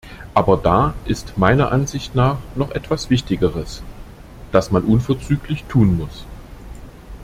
Aber da ist meiner Ansicht nach noch etwas Wichtigeres, das man unverzüglich tun muss.